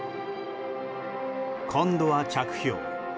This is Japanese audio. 今度は着氷。